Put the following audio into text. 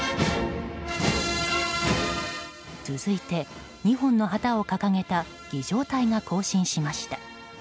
続いて、２本の旗を掲げた儀仗隊が行進しました。